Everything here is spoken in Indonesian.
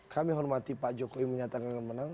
kami hormati pak jokowi menyatakan akan menang